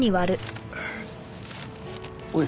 おい。